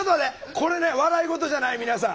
これ笑い事じゃない皆さん。